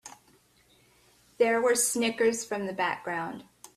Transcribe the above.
There were snickers from the background.